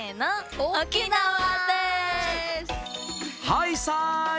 はいさい！